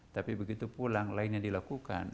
tapi begitu pulang lainnya dilakukan